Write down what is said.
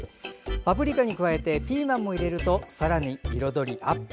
パプリカに加えてピーマンも入れるとさらに彩りアップ。